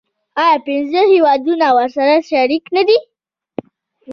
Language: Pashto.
آیا پنځه هیوادونه ورسره شریک نه دي؟